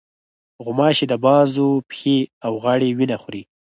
غوماشې د بازو، پښې، او غاړې وینه خوري.